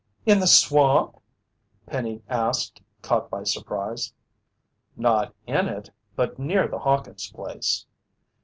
"In the swamp?" Penny asked, caught by surprise. "Not in it, but near the Hawkins' place."